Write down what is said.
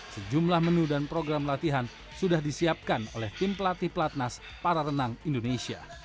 sejumlah menu dan program latihan sudah disiapkan oleh tim pelatih pelatnas para renang indonesia